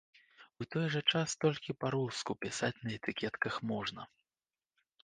У той жа час толькі па-руску пісаць на этыкетках можна.